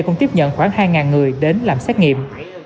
bệnh viện tiếp nhận khoảng hai người đến làm xét nghiệm